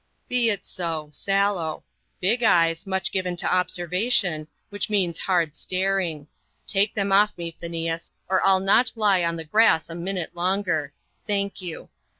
"Be it so, sallow. Big eyes, much given to observation, which means hard staring. Take them off me, Phineas, or I'll not lie on the grass a minute longer. Thank you.